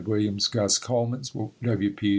Williams, Gus Coleman's, W. P.